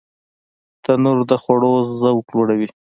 تنور د خوړو ذوق لوړوي